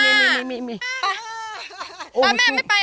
โป๊ดแม่ไม่ไปหรอ